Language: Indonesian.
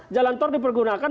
jalan tol dipergunakan